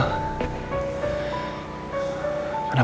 kenapa gak konsentrasi sih